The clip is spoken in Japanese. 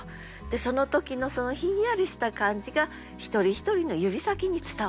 その時のそのひんやりした感じが一人一人の指先に伝わって。